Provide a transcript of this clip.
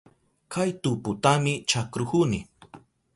Kay tuputami chakrahuni.